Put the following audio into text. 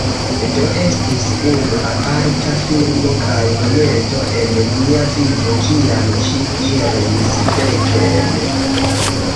Do, estis unu aparta filmo kaj momento en mia vivo kiam ĉio iris feken